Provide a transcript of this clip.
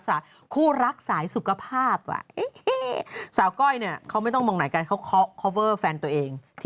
สาวก้อยเนี่ยเขาไม่ต้องมองไหนกันเขาโคเวอร์แฟนตัวเอง